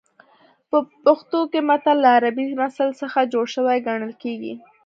په پښتو کې متل له عربي مثل څخه جوړ شوی ګڼل کېږي